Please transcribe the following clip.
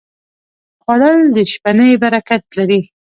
خوړل د شپهنۍ برکت لري